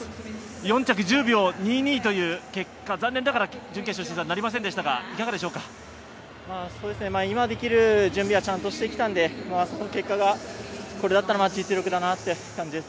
４着、１０秒２２という結果、残念ながら準決勝進出はなりませ今できる準備はちゃんとしてきたので、その結果がこれだったら実力だなという感じです。